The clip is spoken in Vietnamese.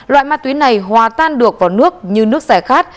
loại ma túy này hòa tan được vào nước như nước xe khác